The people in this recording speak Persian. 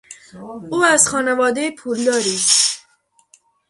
او از خانوادهی پولداری است.